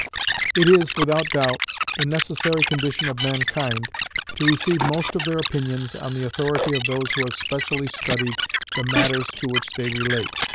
It is, without doubt, the necessary condition of mankind to receive most of their opinions on the authority of those who have specially studied the matters to which they relate.